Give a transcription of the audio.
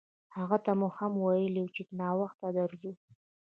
هغه ته مو هم ویلي وو چې ناوخته درځو.